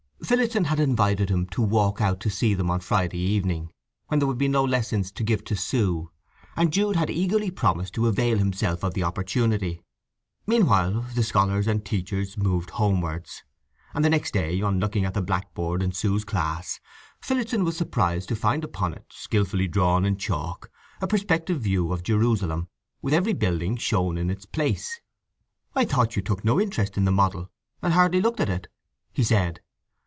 Phillotson had invited him to walk out and see them on Friday evening, when there would be no lessons to give to Sue, and Jude had eagerly promised to avail himself of the opportunity. Meanwhile the scholars and teachers moved homewards, and the next day, on looking on the blackboard in Sue's class, Phillotson was surprised to find upon it, skilfully drawn in chalk, a perspective view of Jerusalem, with every building shown in its place. "I thought you took no interest in the model, and hardly looked at it?" he said.